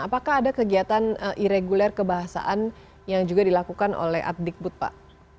apakah ada kegiatan ireguler kebahasaan yang juga dilakukan oleh adikbud pak